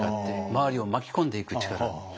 周りを巻き込んでいく力。